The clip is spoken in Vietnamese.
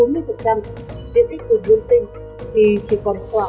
diện tích rừng buôn sinh thì chỉ còn khoảng một mươi